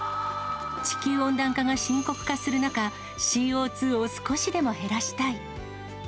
地球温暖化が深刻化する中、ＣＯ２を少しでも減らしたい。